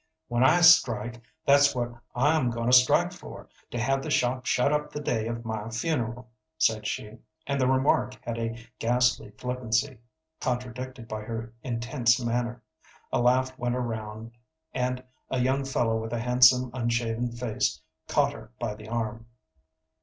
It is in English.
"When I strike, that's what I'm going to strike for to have the shop shut up the day of my funeral," said she; and the remark had a ghastly flippancy, contradicted by her intense manner. A laugh went around, and a young fellow with a handsome, unshaven face caught her by the arm.